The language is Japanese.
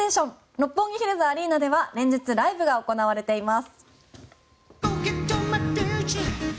六本木ヒルズアリーナでは連日ライブが行われています。